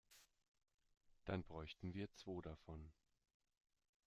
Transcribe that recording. Dann bräuchten wir zwo davon.